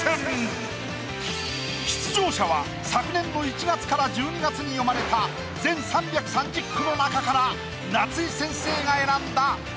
出場者は昨年の１月から１２月に詠まれた全３３０句の中から。